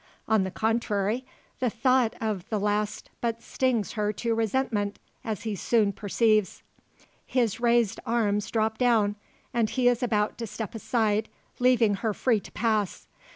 On the contrary, the thought of the last but stings her to resentment, as he soon perceives. His raised arms drop down, and he is about to step aside, leaving her free to pass.